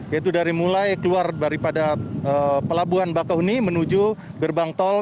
yaitu dari mulai keluar daripada pelabuhan bakahuni menuju gerbang tol